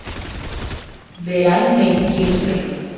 De l'any d'en Quirze.